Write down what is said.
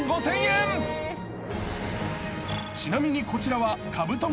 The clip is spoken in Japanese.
［ちなみにこちらは］